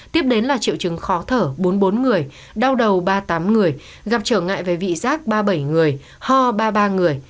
tiếp đến là triệu chứng khó thở bốn mươi bốn người đau đầu ba mươi tám người gặp trở ngại về vị giác ba mươi bảy người ho ba mươi ba người